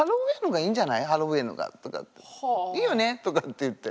「いいよね」とかって言って。